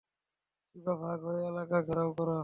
শিবা, ভাগ হয়ে এলাকা ঘেরাও কর।